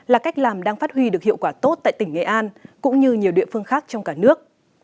là cách làm đang phát huy được hiệu quả tốt tại tỉnh nghệ an cũng như nhiều địa phương khác trong cả nước